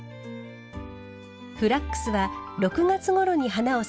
フラックスは６月ごろに花を咲かせます。